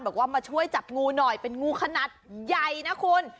บอกว่ามาช่วยจับงูหน่อยเป็นงูขนาดใหญ่นะคุณ